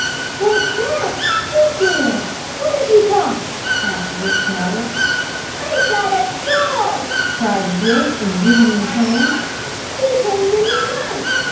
"What's that? Who's there? What have you got?" asked Rick's mother. "I've got a dog!" cried Rick in ringing tones. "He came in the night.